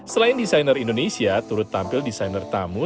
selain desainer indonesia turut tampil desainer tamu